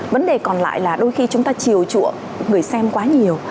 vấn đề còn lại là đôi khi chúng ta chiều chùa người xem quá nhiều